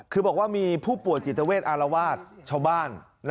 คือบอกว่ามีผู้ป่วยจิตเวทอารวาสชาวบ้าน